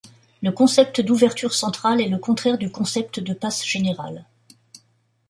Le concept d’ouverture centrale est le contraire du concept de passe général.